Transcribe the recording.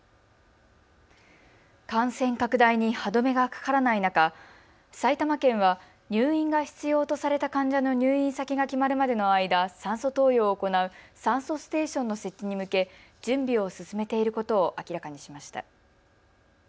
感染拡大に歯止めがかからない中埼玉県は入院が必要とされた患者の入院先が決まるまでの間、酸素投与を行う酸素ステーションの設置に向け準備を進めていることを明らかにしました。